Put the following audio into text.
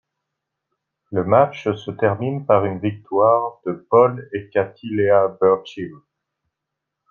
Le match se termine par une victoire de Paul et Katie Lea Burchill.